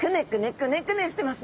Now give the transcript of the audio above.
クネクネしてます！